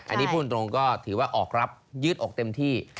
อันนี้พูดตรงก็ถือว่าออกรับยืดอกเต็มที่